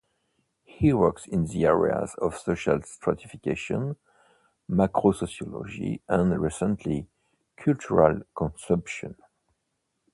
He works in the areas of social stratification, macrosociology, and recently cultural consumption.